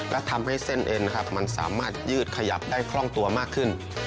และทำให้เส้นเอ็นนะครับมันสามารถยืดขยับได้คล่องตัวมากขึ้น